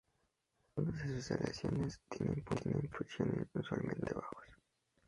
Algunas de sus aleaciones tienen puntos de fusión inusualmente bajos.